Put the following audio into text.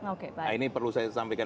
oke nah ini perlu saya sampaikan